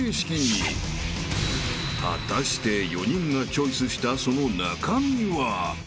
［果たして４人がチョイスしたその中身は］